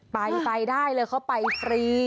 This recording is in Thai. ไปไปได้เลยเขาไปฟรี